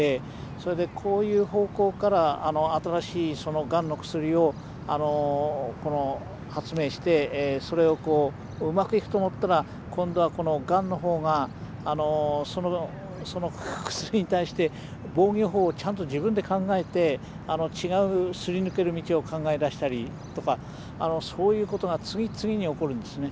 それでこういう方向から新しいがんの薬を発明してそれがうまくいくと思ったら今度はがんの方がその薬に対して防御法をちゃんと自分で考えて違うすり抜ける道を考え出したりとかそういうことが次々に起こるんですね。